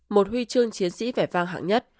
một huy chương chiến sĩ vẻ vang hạng nhất